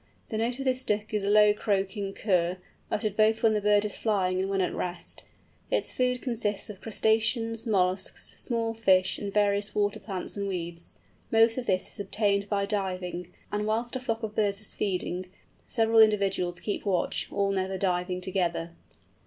The note of this Duck is a low croaking kurr, uttered both when the bird is flying and when at rest. Its food consists of crustaceans, molluscs, small fishes, and various water plants and weeds. Most of this is obtained by diving; and whilst a flock of birds is feeding, several individuals keep watch, all never diving together.